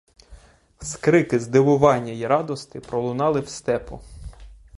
Скрики здивування й радости пролунали в степу.